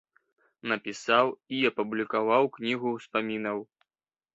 Напісаў і апублікаваў кнігу ўспамінаў.